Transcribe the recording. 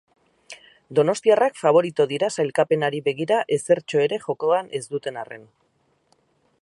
Donostiarrak faborito dira, sailkapenari begira ezertxo ere jokoan ez duten arren.